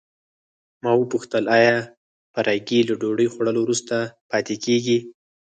ما وپوښتل آیا فرګي له ډوډۍ خوړلو وروسته پاتې کیږي.